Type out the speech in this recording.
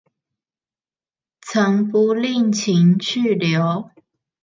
曾不吝情去留